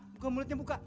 buka mulutnya buka